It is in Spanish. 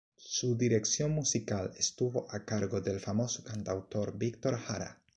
Su dirección musical estuvo a cargo del famoso cantautor Víctor Jara.